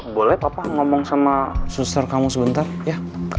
boleh papa ngomong sama suster kamu sebentar ya